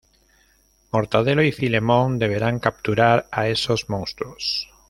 Mortadelo y Filemón deberán capturar a esos monstruos.